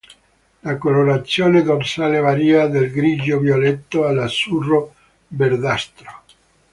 La colorazione dorsale varia dal grigio-violetto all'azzurro-verdastro.